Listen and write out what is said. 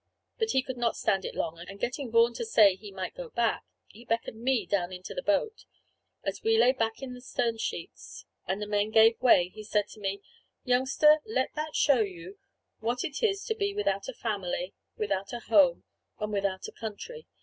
But he could not stand it long; and getting Vaughan to say he might go back, he beckoned me down into our boat. As we lay back in the stern sheets and the men gave way, he said to me: "Youngster, let that show you what it is to be without a family, without a home, and without a country.